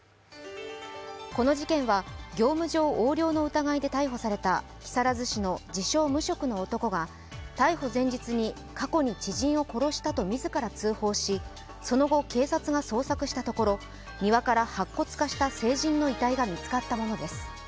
この事件は業務上横領の疑いで逮捕された木更津市の自称・無職の男が逮捕前日に過去に知人を殺したと自ら通報し、その後、警察が捜索したところ、庭から白骨化した成人の遺体が見つかったものです